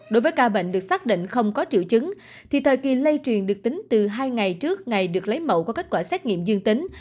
đối với ca bệnh được xác định không có triệu chứng thì thời kỳ lây truyền được tính từ hai ngày trước ngày được lấy mẫu có kết quả xét nghiệm dương tính